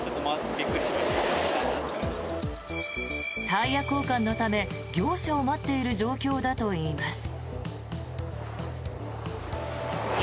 タイヤ交換のため業者を待っている状況だといいます。